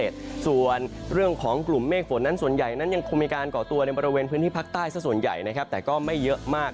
ส่วนเรื่องของกลุ่มเมฆฝนนั้นส่วนใหญ่นั้นยังคงมีการก่อตัวในบริเวณพื้นที่ภาคใต้สักส่วนใหญ่นะครับแต่ก็ไม่เยอะมาก